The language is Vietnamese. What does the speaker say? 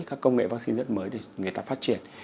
các công nghệ vaccine rất mới để người ta phát triển